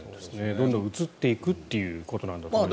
どんどん移っていくということなんだと思います。